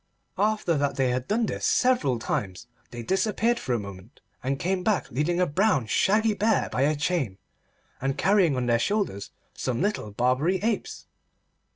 After that they had done this several times, they disappeared for a moment and came back leading a brown shaggy bear by a chain, and carrying on their shoulders some little Barbary apes.